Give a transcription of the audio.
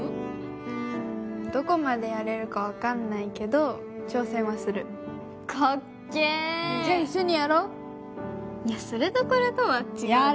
うんどこまでやれるか分かんないけど挑戦はするかっけーじゃあ一緒にやろいやそれとこれとは違うやれ！